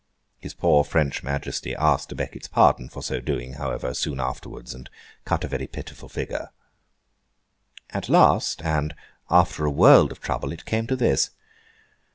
His poor French Majesty asked à Becket's pardon for so doing, however, soon afterwards, and cut a very pitiful figure. At last, and after a world of trouble, it came to this.